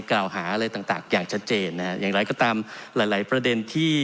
กล่าวหาอะไรต่างอย่างชัดเจนนะฮะอย่างไรก็ตามหลายหลายประเด็นที่